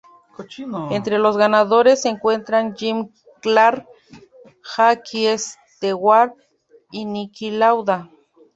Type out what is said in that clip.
Entre los ganadores se encuentran Jim Clark, Jackie Stewart y Niki Lauda.